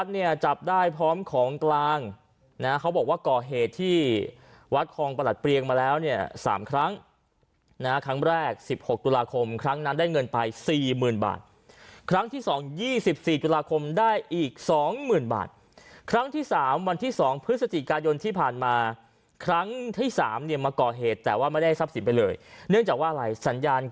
เนี่ยจับได้พร้อมของกลางนะเขาบอกว่าก่อเหตุที่วัดคลองประหลัดเปรียงมาแล้วเนี่ย๓ครั้งนะครั้งแรก๑๖ตุลาคมครั้งนั้นได้เงินไปสี่หมื่นบาทครั้งที่๒๒๔ตุลาคมได้อีกสองหมื่นบาทครั้งที่๓วันที่๒พฤศจิกายนที่ผ่านมาครั้งที่๓เนี่ยมาก่อเหตุแต่ว่าไม่ได้ทรัพย์สินไปเลยเนื่องจากว่าอะไรสัญญาณ